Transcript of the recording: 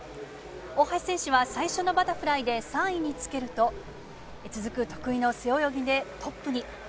大橋選手は最初のバタフライで３位につけると、続く得意の背泳ぎでトップに。